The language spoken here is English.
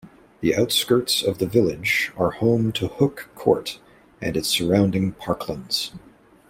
The outskirts of the village are home to Hooke Court and its surrounding parklands.